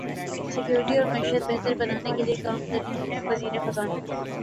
security اور معیشت بہتر بنانے کیلئے کام کر رہے ہیںوزیر خزانہ